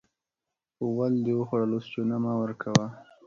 غول دې وخوړل؛ اوس چونه مه ورکوه.